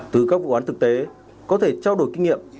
từ các vụ án thực tế có thể trao đổi kinh nghiệm